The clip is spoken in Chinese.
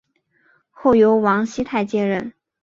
后由王熙泰接任。